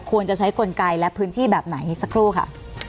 ควรจะใช้กลไกและพื้นที่แบบไหนสักครู่ค่ะ